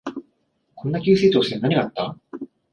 こんな急成長して何があった？